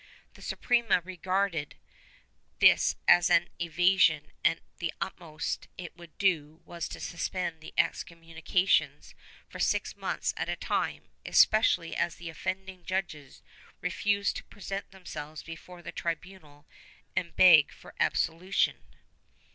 The Suprema regarded this as an evasion and the utmost it would do was to suspend the excommunications for six months at a time, especially as the offending judges refused to present themselves before the tribunal and beg for absolution.